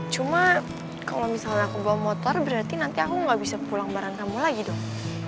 cuma kalau misalnya aku bawa motor berarti nanti aku nggak bisa pulang barang kamu lagi dong